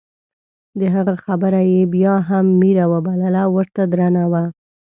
د هغه خبره یې بیا هم میره وبلله او ورته درنه وه.